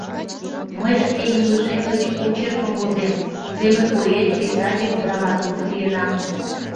Мый шке илышем гыч очеркым возем: кузе мый поэт, писатель, драматург лийынам.